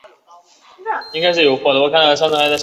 奥利夫镇区为美国堪萨斯州第开特县辖下的镇区。